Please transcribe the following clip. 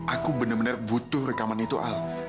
aku bener bener butuh rekaman itu al